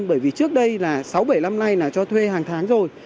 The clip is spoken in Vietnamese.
bởi vì trước đây là sáu bảy năm nay là cho thuê hàng tháng rồi